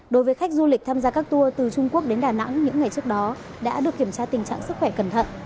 đối với khách du lịch tham gia các tour từ trung quốc đến đà nẵng những ngày trước đó đã được kiểm tra tình trạng sức khỏe cẩn thận